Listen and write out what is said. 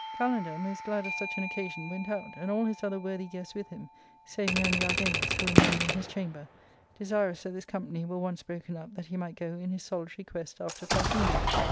Kalander, most glad of such an occasion, went out, and all his other worthy guests with him, saving only Argalus, who remained in his chamber, desirous that this company were once broken up that he might go in his solitary quest after Parthenia.